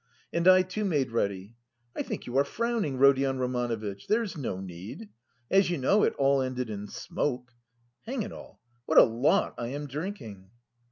And I too made ready. I think you are frowning, Rodion Romanovitch? There's no need. As you know, it all ended in smoke. (Hang it all, what a lot I am drinking!)